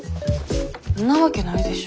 んなわけないでしょ。